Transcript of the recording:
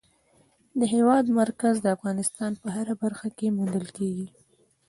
د هېواد مرکز د افغانستان په هره برخه کې موندل کېږي.